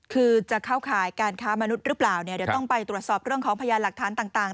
คือจะเข้าข่ายการค้ามนุษย์หรือเปล่าเนี่ยเดี๋ยวต้องไปตรวจสอบเรื่องของพยานหลักฐานต่าง